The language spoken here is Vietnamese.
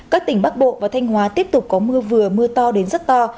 các tỉnh bắc bộ và thanh hóa tiếp tục có mưa vừa mưa to đến rất to